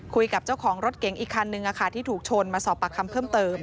คุยกับเจ้าของรถเก๋งอีกคันนึงที่ถูกชนมาสอบปากคำเพิ่มเติม